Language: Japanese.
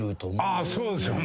ああそうですよね。